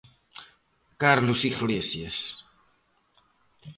Carlos Iglesias.